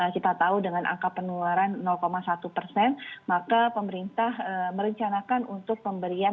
kita tahu dengan angka penularan satu persen maka pemerintah merencanakan untuk pemberian